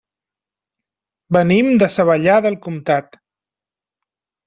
Venim de Savallà del Comtat.